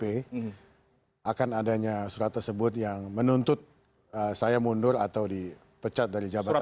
karena akan adanya surat tersebut yang menuntut saya mundur atau dipecat dari jabatan saya